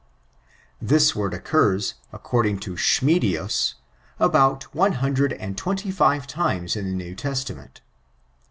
This word occurs, according to Scbmidius, about one hundred and twenty^five times in the New Testament.